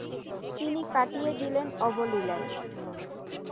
তিনি কাটিয়ে দিলেন অবলীলায়।